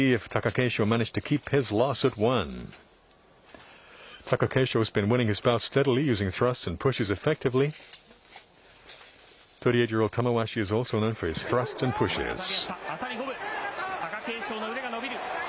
貴景勝の腕が伸びる。